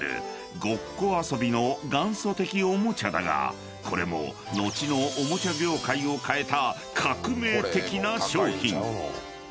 ［ごっこ遊びの元祖的おもちゃだがこれも後のおもちゃ業界を変えた］